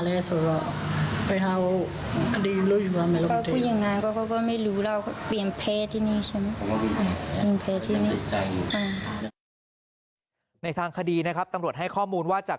แล้วก็วิ่งเผลอที่นี่ในทางคดีนะครับตำรวจให้ข้อมูลว่าจาก